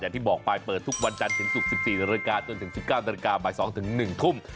อย่างที่บอกปลายเปิดทุกวันจันทร์ถึงศุกร์๑๔นจนถึง๑๙นบ๒๑ทุ่ม